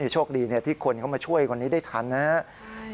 โชคดีที่คนเข้ามาช่วยคนนี้ได้ทันนะครับ